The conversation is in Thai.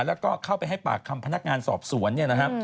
แล้วก็เข้าไปให้ปากคำพนักงานสอบสวน